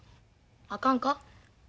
あかんか？